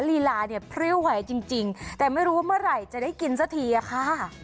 ลีลาเนี่ยพริ้วไหวจริงแต่ไม่รู้ว่าเมื่อไหร่จะได้กินสักทีอะค่ะ